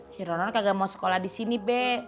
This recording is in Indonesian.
si ronon kagak mau sekolah disini be